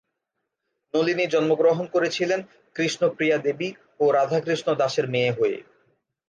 নলিনী জন্মগ্রহণ করেছিলেন কৃষ্ণ প্রিয়া দেবী ও রাধা কৃষ্ণ দাসের মেয়ে হয়ে।